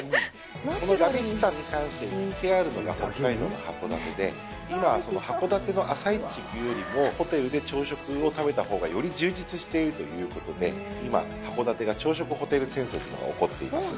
このラビスタに関して、人気があるのが北海道の函館で、今は、その函館の朝市に行くよりも、ホテルで朝食を食べたほうが、より充実しているということで、今、函館が朝食ホテル戦争というのが起こっています。